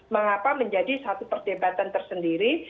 mengapa menjadi satu perdebatan tersendiri